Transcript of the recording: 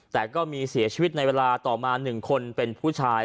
แต่ก็มีเสียชีวิตในเวลาต่อมา๑คนเป็นผู้ชาย